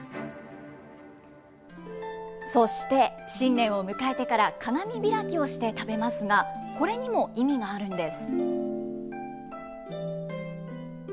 そして、新年を迎えてから、鏡開きをして食べますが、これにも意味があるんです。